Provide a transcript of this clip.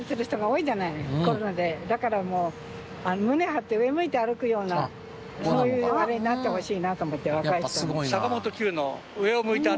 だからもう胸張って上向いて歩くようなそういうあれになってほしいなと思って若い人に。